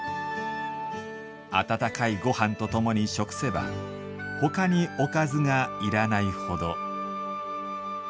温かいご飯とともに食せばほかに、おかずがいらないほど。